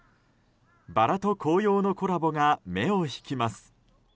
バラと紅葉のコラボが目を引きます。